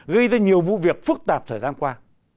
gây ra nhiều vụ việc phức tạp thời gian qua